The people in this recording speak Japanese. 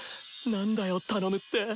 何だよ頼むって。